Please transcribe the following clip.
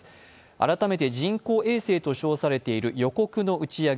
改めて人工衛星と称されている予告の打ち上げ